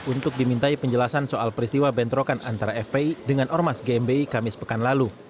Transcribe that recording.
untuk dimintai penjelasan soal peristiwa bentrokan antara fpi dengan ormas gmbi kamis pekan lalu